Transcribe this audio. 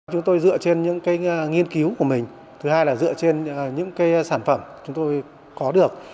chúng tôi dựa trên những nghiên cứu của mình thứ hai là dựa trên những sản phẩm chúng tôi có được